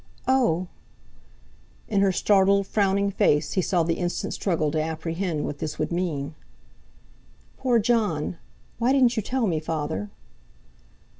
"Oh!" In her startled, frowning face he saw the instant struggle to apprehend what this would mean. "Poor Jon! Why didn't you tell me, Father?"